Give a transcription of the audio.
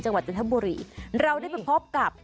จันทบุรีเราได้ไปพบกับ